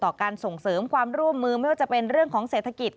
การส่งเสริมความร่วมมือไม่ว่าจะเป็นเรื่องของเศรษฐกิจ